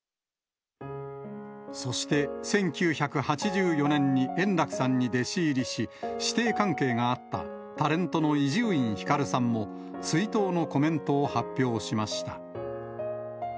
そして、１９８４年に円楽さんに弟子入りし、師弟関係があった、タレントの伊集院光さんも、追悼のコメントを発表しました。